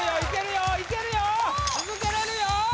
続けられるよ！